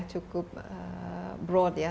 cukup broad ya